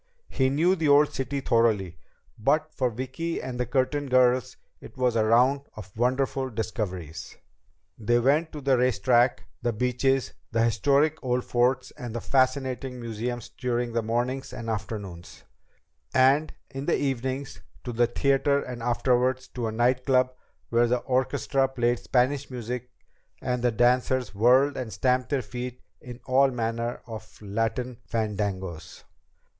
He knew the old city thoroughly, but for Vicki and the Curtin girls it was a round of wonderful discoveries. They went to the race track, the beaches, the historic old forts and the fascinating museums during the mornings and afternoons, and in the evenings to the theater and afterward to a night club where the orchestra played Spanish music and the dancers whirled and stamped their feet in all manner of Latin fandangos.